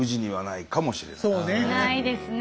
ないですね